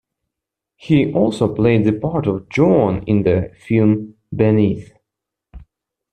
He also played the part of John in the film "Beneath".